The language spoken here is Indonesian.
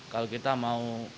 kalau kita mau